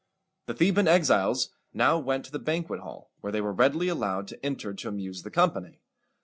The Theban exiles now went to the banquet hall, where they were readily allowed to enter to amuse the company.